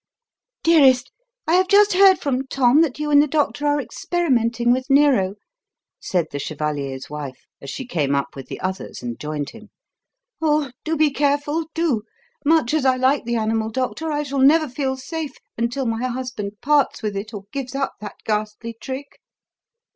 "Dearest, I have just heard from Tom that you and the doctor are experimenting with Nero," said the chevalier's wife, as she came up with the others and joined him. "Oh, do be careful, do! Much as I like the animal, doctor, I shall never feel safe until my husband parts with it or gives up that ghastly 'trick.'"